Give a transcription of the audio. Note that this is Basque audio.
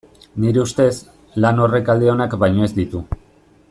Nire ustez, lan horrek alde onak baino ez ditu.